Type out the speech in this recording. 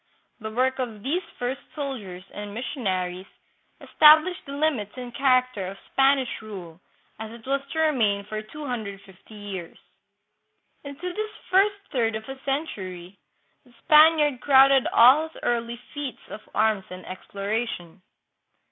The work of these first soldiers and missionaries established the limits and character of Span ish rule as it was to remain for 250 years. Into this first third of a century the Spaniard crowded all his early feats of arms and exploration.